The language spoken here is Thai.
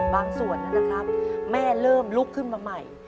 ส่วนนั้นนะครับแม่เริ่มลุกขึ้นมาใหม่